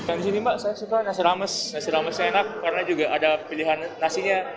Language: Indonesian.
kalau di sini mbak saya suka nasi rames nasi ramesnya enak karena juga ada pilihan nasinya